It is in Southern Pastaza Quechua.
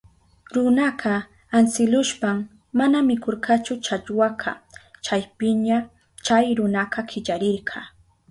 Runaka antsilushpan mana mikurkachu challwaka. Chaypiña chay runaka killarirka.